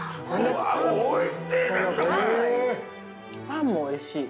◆パンもおいしい。